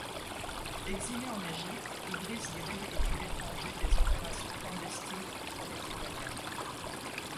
Exilé en Égypte, Idris dirige depuis l'étranger des opérations clandestines contre les Italiens.